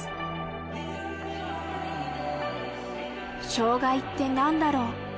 障害って何だろう？